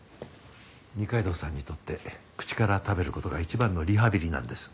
二階堂さんにとって口から食べる事が一番のリハビリなんです。